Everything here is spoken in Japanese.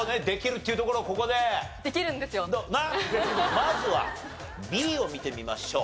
まずはＢを見てみましょう。